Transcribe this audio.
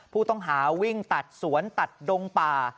ผู้ต้องหาวิ่งตัดสวนตัดดงป่า